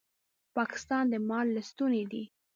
پاکستان د مار لستوڼی دی